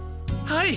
はい！